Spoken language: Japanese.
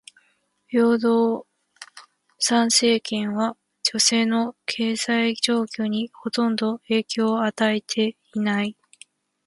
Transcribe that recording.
平等参政権は女性の経済状況にほとんど影響を与えていない。